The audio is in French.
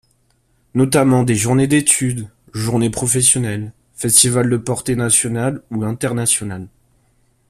Notamment des journées d'études, journées professionnelles, festivals de portée nationale ou internationale.